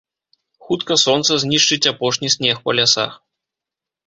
Хутка сонца знішчыць апошні снег па лясах.